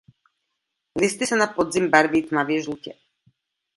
Listy se na podzim barví tmavě žlutě.